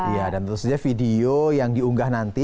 iya dan tentu saja video yang diunggah nanti